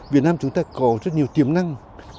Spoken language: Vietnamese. việt nam chúng ta có rất nhiều tiềm năng